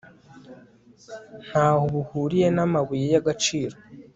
nta ho buhuriye n'amabuye y'agaciro